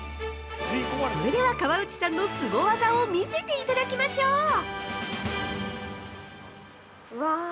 それでは、河内さんのスゴ技を見せていただきましょう。